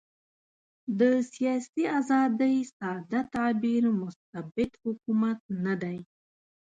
د سیاسي آزادۍ ساده تعبیر مستبد حکومت نه دی.